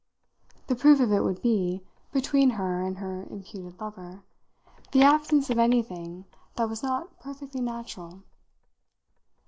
The proof of it would be, between her and her imputed lover, the absence of anything that was not perfectly natural.